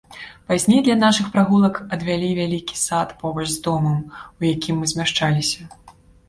Пазней для нашых прагулак адвялі вялікі сад побач з домам, у якім мы змяшчаліся.